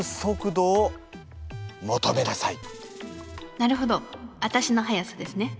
なるほどアタシの速さですね。